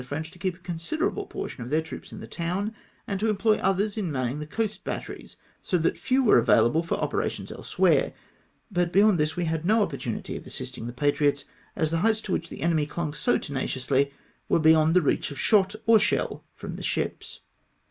French to keep a considerable portion of their troops in the town, and to employ others in manning the coast batteries, so that few were available for opera tions elsewhere ; but beyond this we had no oppor tunity of assisting the patriots, as the heights to which the enemy clung so tenaciously were beyond the reach of shot or shell from the sliips.